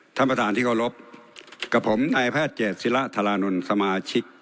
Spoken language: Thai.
ท่านประธานที่เคารพกับผมนายแพทย์เจตศิระธารานนท์สมาชิก